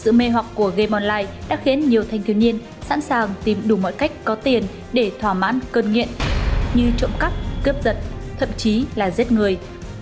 sự mê hoặc của game online đã khiến nhiều thanh thiếu niên sẵn sàng tìm đủ mọi cách có tiền để thỏa mãn cơn nghiện như trộm cắp cướp giật thậm chí là giết người